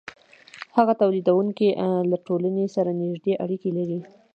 هغه تولیدونکی له ټولنې سره نږدې اړیکې لري